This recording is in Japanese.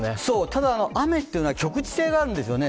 ただ、雨というのは局地性があるんですよね。